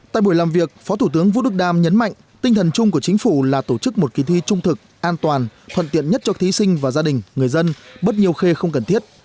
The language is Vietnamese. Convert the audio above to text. tại buổi làm việc phó thủ tướng vũ đức đam nhấn mạnh tinh thần chung của chính phủ là tổ chức một kỳ thi trung thực an toàn thuận tiện nhất cho thí sinh và gia đình người dân bớt nhiều khê không cần thiết